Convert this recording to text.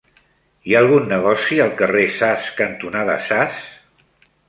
Hi ha algun negoci al carrer Sas cantonada Sas?